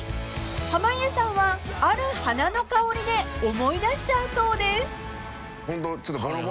［濱家さんはある花の香りで思い出しちゃうそうです］